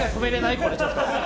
これちょっと。